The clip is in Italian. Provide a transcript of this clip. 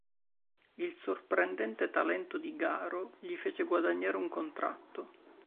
Il sorprendente talento di Garo gli fece guadagnare un contratto.